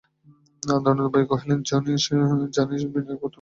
আনন্দময়ী কহিলেন, জানিস, বিনয়, তোর কী কর্তব্য?